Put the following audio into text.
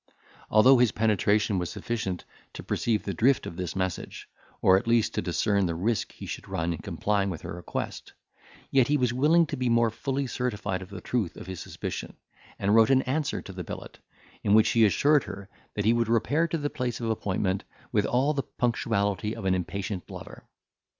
Although his penetration was sufficient to perceive the drift of this message, or at least to discern the risk he should run in complying with her request, yet he was willing to be more fully certified of the truth of his suspicion, and wrote an answer to the billet, in which he assured her, that he would repair to the place of appointment with all the punctuality of an impatient lover.